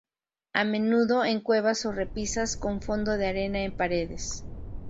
A menudo en cuevas o repisas con fondo de arena, en paredes.